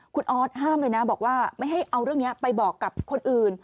คุณออสห้ามเลยนะบอกว่าไม่ให้เอาเรื่องนี้ไปบอกกับคนอื่น